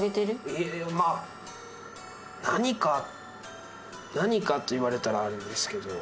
いやまあ何か何かと言われたらあれですけど。